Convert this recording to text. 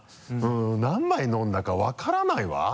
何杯飲んだか分からないわ。